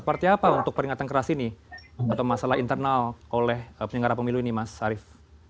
apakah ini adalah masalah keringatan keras ini atau masalah internal oleh penyelenggara pemilu ini mas arief